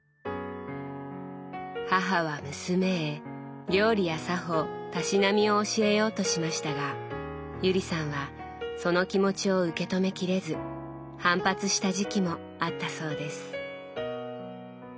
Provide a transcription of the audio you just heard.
母は娘へ料理や作法たしなみを教えようとしましたが友里さんはその気持ちを受け止めきれず反発した時期もあったそうです。